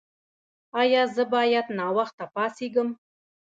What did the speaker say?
ایا زه باید ناوخته پاڅیږم؟